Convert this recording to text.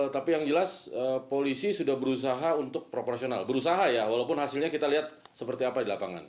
tapi yang jelas polisi sudah berusaha untuk proporsional berusaha ya walaupun hasilnya kita lihat seperti apa di lapangan